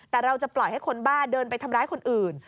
แต่เราจะปล่อยให้คนบ้าเดินไปทำร้ายคนอื่น